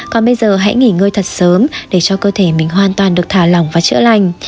còn bây giờ hãy nghỉ ngơi thật sớm để cho cơ thể mình hoàn toàn được thả lỏng và chữa lành